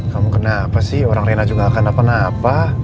kamu kenapa sih orang rena juga gak kenapa napa